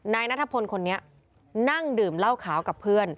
นายนัทพลคนนี้นั่งดื่มเหล้าขาวกับเพื่อน